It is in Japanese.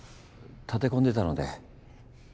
立て込んでたので。